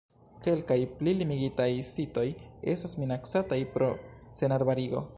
Kelkaj pli limigitaj sitoj estas minacataj pro senarbarigo.